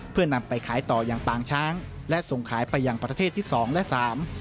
เพื่อนำไปขายต่ออย่างปางช้างและส่งขายไปอย่างประเทศที่สองและสาม